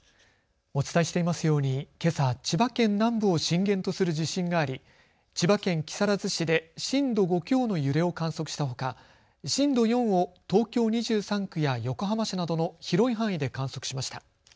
お伝えしていますように、けさ千葉県南部を震源とする地震があり、千葉県木更津市で震度５強の揺れを観測したほか震度４を東京２３区や横浜市などの広い範囲で観測しました。